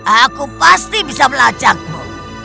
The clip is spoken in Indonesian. aku pasti bisa melacakmu